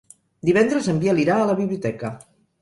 Divendres en Biel irà a la biblioteca.